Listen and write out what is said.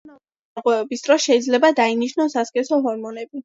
ჰორმონული დარღვევების დროს შეიძლება დაინიშნოს სასქესო ჰორმონები.